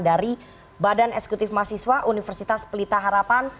dari badan eksekutif mahasiswa universitas pelita harapan